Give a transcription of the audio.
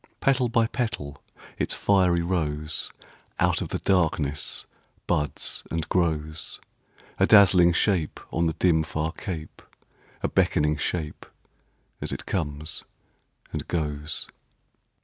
Petal by petal its fiery rose Out of the darkness buds and grows; A dazzling shape on the dim, far cape, A beckoning shape as it comes and goes.